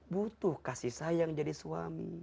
butuh kasih sayang jadi suami